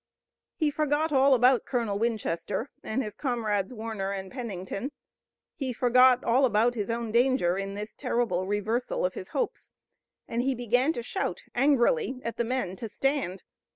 He forgot all about Colonel Winchester, and his comrades Warner and Pennington. He forgot all about his own danger in this terrible reversal of his hopes, and he began to shout angrily at the men to stand.